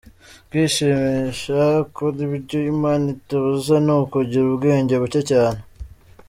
Kwishimisha ukora ibyo imana itubuza, ni ukugira ubwenge buke cyane.